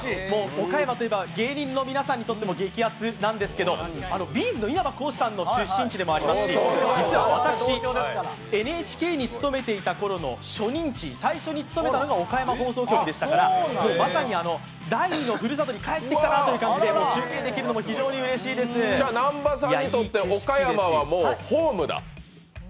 岡山といえば芸人の皆さんにとっても激アツなんですけどＢ’ｚの稲葉浩志さんの出身地でもあります、私、ＮＨＫに勤めていたころの初任地最初に勤めたのが岡山放送局でしたからまさに第２のふるさとに帰ってきたなという感じで中継できるのがならホームなんだ。